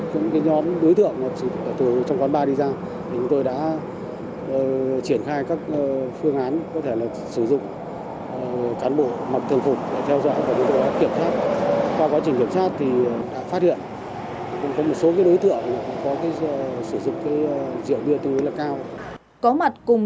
có mặt cùng tổ tuần tra kiểm soát giao thông